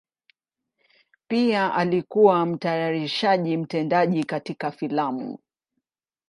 Pia alikuwa mtayarishaji mtendaji katika filamu.